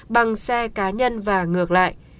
bằng xe cá nhân và ngược lại